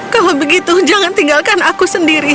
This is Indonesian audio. kalau begitu jangan tinggalkan aku sendiri